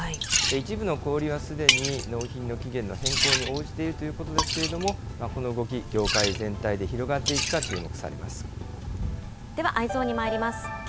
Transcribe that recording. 一部の小売りはすでに、納品の期限の変更に応じているということですけれども、この動き、業界全では、Ｅｙｅｓｏｎにまいります。